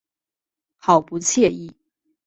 好不惬意